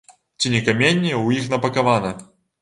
Ці не каменне ў іх напакавана?